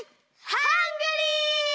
ハングリー！